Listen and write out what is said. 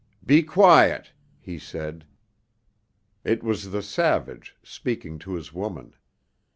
"Be quiet!" he said; it was the savage speaking to his woman.